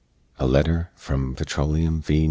A LETTER FROM PETROLEUM V.